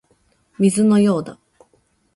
水のようだ